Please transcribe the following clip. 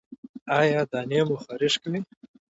ایا دانې مو خارښ کوي؟